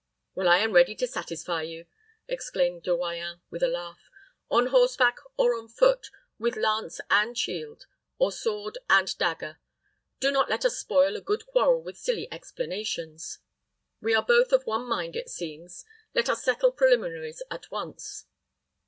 "Well, I am ready to satisfy you," exclaimed De Royans, with a laugh, "on horseback or on foot, with lance and shield, or sword and dagger. Do not let us spoil a good quarrel with silly explanations. We are both of one mind, it seems; let us settle preliminaries at once."